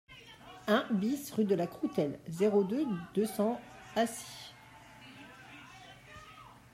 un BIS rue de la Croutelle, zéro deux, deux cents, Acy